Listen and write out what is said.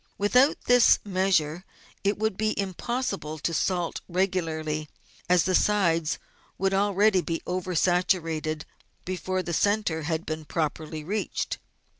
With out this measure it would be impossible to salt regularly, as the sides would already be over saturated before the centre had even been properly reached.